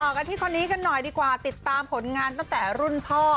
กันที่คนนี้กันหน่อยดีกว่าติดตามผลงานตั้งแต่รุ่นพ่อ